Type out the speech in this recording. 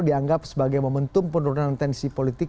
dianggap sebagai momentum penurunan tensi politik